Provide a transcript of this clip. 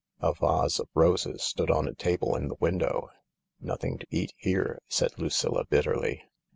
A vase of roses stood on a table in the window. " Nothing to eat here I " said Lucilla bitterly.